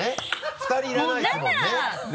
２人いらないですもんね。